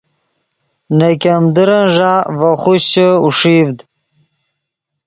نے ګیمدرن ݱا ڤے خوشچے اوݰیڤد